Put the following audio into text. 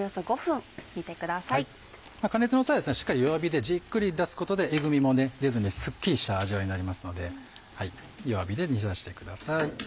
加熱の際はしっかり弱火でじっくり煮出すことでえぐみも出ずにすっきりした味わいになりますので弱火で煮出してください。